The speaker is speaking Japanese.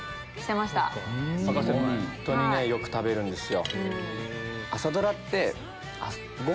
本当によく食べるんですよ。